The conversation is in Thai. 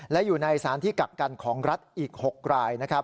และอยู่ในสารที่กักกันของรัฐอีก๖รายนะครับ